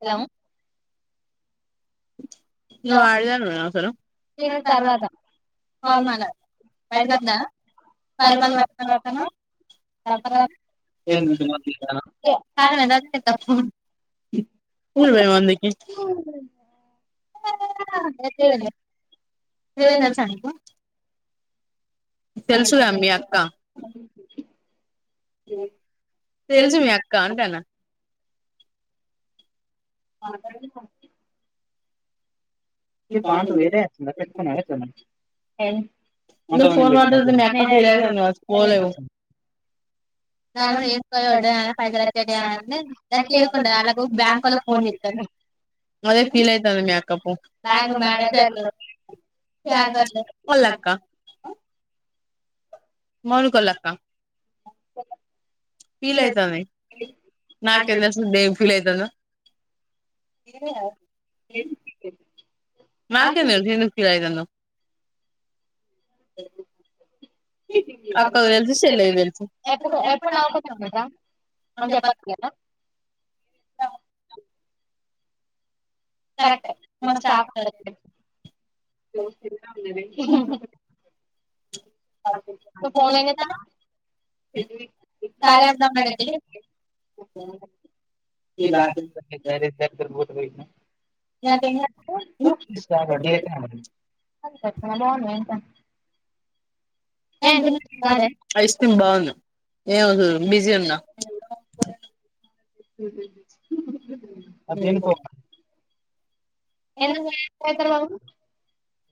Hello నువ్వు అడదనివేన call మాట్లాడు బయట కద్దా ప బాలస [unintelligible] ఎతేని [unintelligible] తెలుసుగా మీ అక్క మ్మ్ తెల్సు మీ అక్క అంటన్న మాట్లాడినవానే ప్యాంటూ వేరే వచ్చిందా పెట్టుకున్నావ ఎట్లన అంటే నేను ఇపుడు తను ఎక్కువ బడ్డాయని పైసలు వచ్చేటి అని ఎరుకుండదా వాళ్లకు బ్యాంక్ వొళ్ళకు ఫోన్ చెస్తారు. బ్యాంక్ మేనేజర్లు బ్యాంకర్స్ మూడు కోళ్లక్క ఫీల్ అయితంది నాకేం దెలుసు దేనికి ఫీల్ అయితాందో ఏమిరా ఏమైంది నాకేం ఎం తెలుసు ఎందుకు ఫీల్ అయితాందో అక్కకు తెలుసు చెల్లకు తెలుసు కరెక్ట్ మన స్టాఫ్ తోటే ఎం చెపుతాన్నవే నువ్వు ఫోన్లో ఏం చేత్తన్నావ్ లేసినా [unintelligible] అంతే కదానే ఇంక ఐస్ క్రీమ్ బాగుంది ఆ హా బిజీగా ఉన్నా ఎక్కడ చూపించు హ్హ్ మ్మ్ ఎందుకు ఏటేల్త లేవు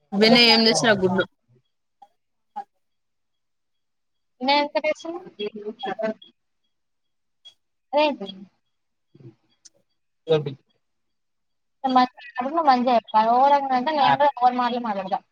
ఈ రోజు నేను ఎంత తీసీన అ [unintelligible] రబ్బి ఏమన్నా అంటే మంచిగ చెప్తా ఎమన్నా అంటే అలాంటి మాటలు అ [inaudible]